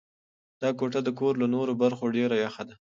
دا کوټه د کور له نورو برخو ډېره یخه ده.